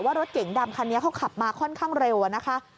รถเก๋งดำคันนี้เขาขับมาค่อนข้างเร็วนะคะ